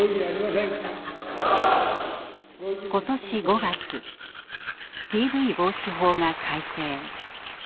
ことし５月ＤＶ防止法が改正。